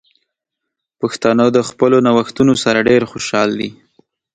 پښتانه د خپلو نوښتونو سره ډیر خوشحال دي.